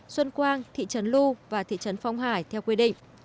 xuân quang thị trấn lu và thị trấn phong hải theo quy định